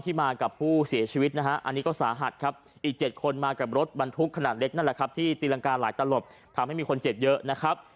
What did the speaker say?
มากับผู้เสียชีวิตนะฮะอันนี้ก็สาหัสครับอีก๗คนมากับรถบรรทุกขนาดเล็กนั่นแหละครับที่ตีรังกาหลายตลบทำให้มีคนเจ็บเยอะนะครับ